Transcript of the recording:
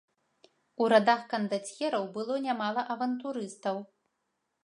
У радах кандацьераў было нямала авантурыстаў.